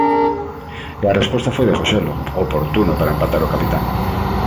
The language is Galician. E a resposta foi de Joselu, oportuno para empatar o capitán...